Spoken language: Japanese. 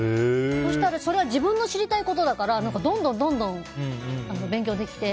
そうしたらそれは自分が知りたいことだからどんどん勉強できて。